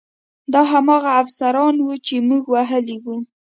دا هماغه افسران وو چې موږ وهلي وو